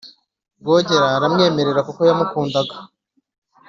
rwogera aramwemerera kuko yamukundaga.